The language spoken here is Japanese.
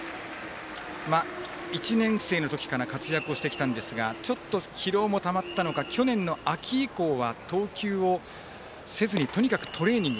１年生の時から活躍してきたんですがちょっと疲労もたまったのか去年の秋以降は投球をせずにとにかくトレーニング。